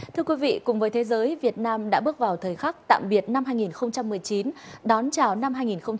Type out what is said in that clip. thưa quý vị cùng với thế giới việt nam đã bước vào thời khắc tạm biệt năm hai nghìn một mươi chín đón chào năm hai nghìn hai mươi